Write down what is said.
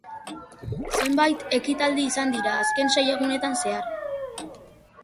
Zenbait ekitaldi izan dira azken sei egunetan zehar.